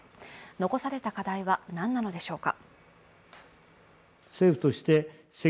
残された課題は何なのでしょうか。